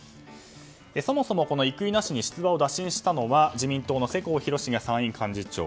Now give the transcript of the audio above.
そもそも生稲氏に出馬を打診したのは自民党の世耕弘成参院幹事長。